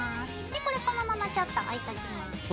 でこれこのままちょっと置いときます。